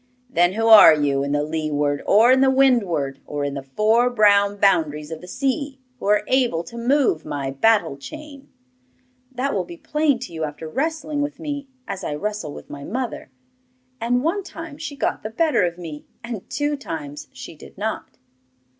'Then who are you in the leeward, or in the windward, or in the four brown boundaries of the sea, who are able to move my battle chain?' 'That will be plain to you after wrestling with me as I wrestle with my mother. And one time she got the better of me, and two times she did not.